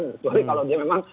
kecuali kalau dia memang